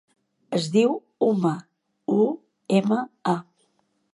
Es diu Uma: u, ema, a.